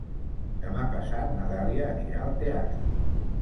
Demà passat na Dàlia anirà al teatre.